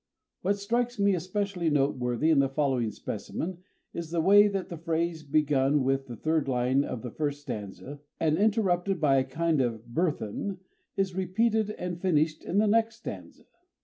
What strikes me especially noteworthy in the following specimen is the way that the phrase, begun with the third line of the first stanza, and interrupted by a kind of burthen, is repeated and finished in the next stanza.